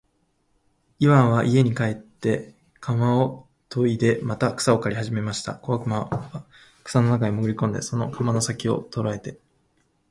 イワンは家へ帰って鎌をといでまた草を刈りはじめました。小悪魔は草の中へもぐり込んで、その鎌の先きを捉えて、